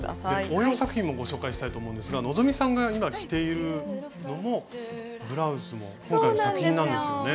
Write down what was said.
応用作品もご紹介したいと思うんですが希さんが今着ているのもブラウスも今回の作品なんですよね。